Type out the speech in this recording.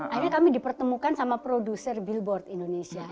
akhirnya kami dipertemukan sama produser billboard indonesia